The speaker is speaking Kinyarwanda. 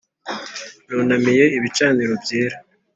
nunamiye ibicaniro byera. ...